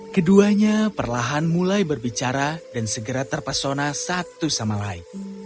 keduanya perlahan mulai berbicara dan segera terpesona satu sama lain